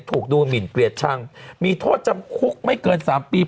ถูกดูหมินเกลียดชังมีโทษจำคุกไม่เกิน๓ปี